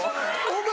お前